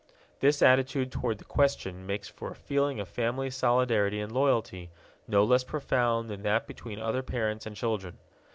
This attitude toward the question makes for a feeling of family solidarity and loyalty no less profound than that between other parents and children.